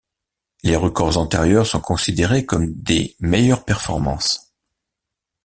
Les records antérieurs sont considérés comme des meilleures performances.